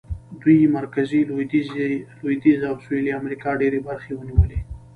دوی مرکزي، لوېدیځه او سوېلي امریکا ډېرې برخې ونیولې.